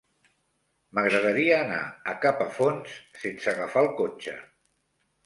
M'agradaria anar a Capafonts sense agafar el cotxe.